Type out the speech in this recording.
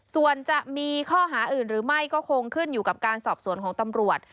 ส่วนจะมีข้อหาอื่นหรือไม่ก็คงขึ้นอยู่กับการสอบสวนของตำรวจ